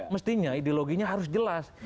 mestinya ideologinya harus jelas